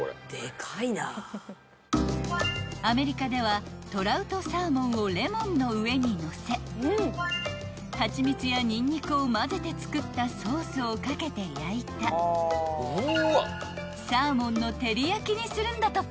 ［アメリカではトラウトサーモンをレモンの上にのせハチミツやにんにくを混ぜて作ったソースを掛けて焼いたサーモンの照り焼きにするんだとか］